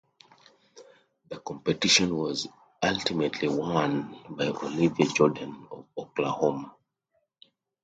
The competition was ultimately won by Olivia Jordan of Oklahoma.